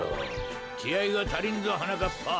きあいがたりんぞはなかっぱ。